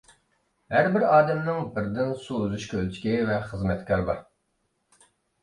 ھەربىر ئادەمنىڭ بىردىن سۇ ئۈزۈش كۆلچىكى ۋە خىزمەتكار بار.